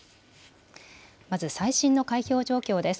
まず最新の開票状況です。